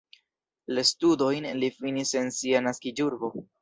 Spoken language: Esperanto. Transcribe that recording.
La studojn li finis en sia naskiĝurbo.